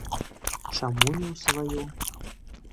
Чаму не ў сваё?